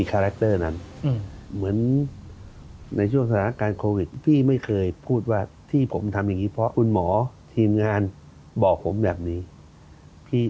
ชอบและแบ่งให้เขาซึ่งตรงนี้ผิดถือว่าผิดโชคดี